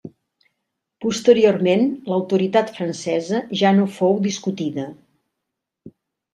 Posteriorment l'autoritat francesa ja no fou discutida.